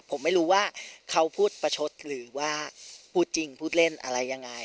ผมไม่รู้ว่าเขาพูดประชดหรือว่าพูดจริงพูดเล่นอะไรยังไง